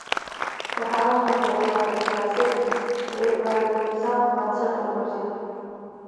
د هغه نظریات د کلاسیک لېبرالېزم بنسټ وګرځېد.